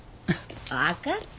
分かった。